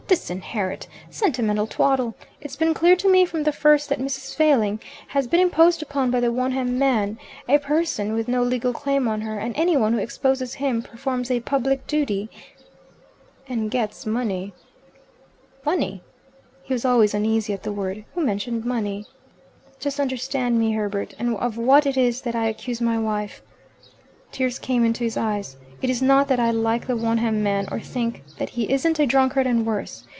'Disinherit!' Sentimental twaddle. It's been clear to me from the first that Mrs. Failing has been imposed upon by the Wonham man, a person with no legal claim on her, and any one who exposes him performs a public duty "" And gets money." "Money?" He was always uneasy at the word. "Who mentioned money?" "Just understand me, Herbert, and of what it is that I accuse my wife." Tears came into his eyes. "It is not that I like the Wonham man, or think that he isn't a drunkard and worse.